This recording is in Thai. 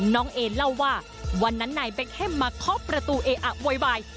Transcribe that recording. น้องเอนเล่าว่าวันนั้นนายเบคเฮมมาเคาะประตูเออะโวยวาย